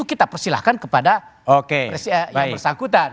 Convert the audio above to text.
kita persilahkan kepada yang bersangkutan